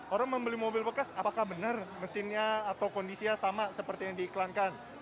orang membeli mobil bekas apakah benar mesinnya atau kondisinya sama seperti yang diiklankan